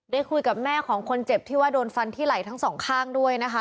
ได้คุยกับแม่ของคนเจ็บที่ว่าโดนฟันที่ไหล่ทั้งสองข้างด้วยนะคะ